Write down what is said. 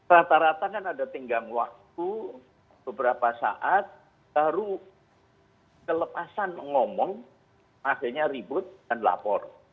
rata rata kan ada tenggang waktu beberapa saat baru kelepasan ngomong akhirnya ribut dan lapor